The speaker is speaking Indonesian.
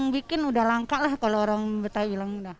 bikin udah langka lah kalau orang betawi